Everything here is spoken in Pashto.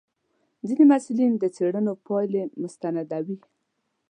ځینې محصلین د څېړنو پایلې مستندوي.